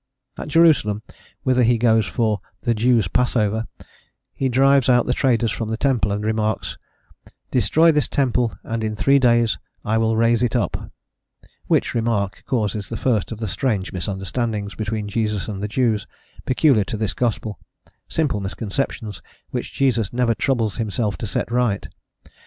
At Jerusalem, whither he goes for "the Jews' passover," he drives out the traders from the temple, and remarks, "Destroy this temple, and in three days I will raise it up:" which remark causes the first of the strange misunderstandings between Jesus and the Jews, peculiar to this Gospel, simple misconceptions which Jesus never troubles himself to set right.